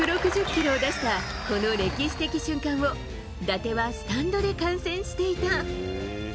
１６０キロを出したこの歴史的瞬間を、伊達はスタンドで観戦していた。